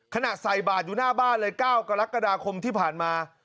ใส่บาทอยู่หน้าบ้านเลย๙กรกฎาคมที่ผ่านมา